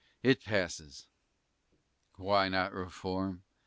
it passes! Why not reform?